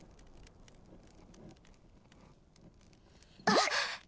あっ！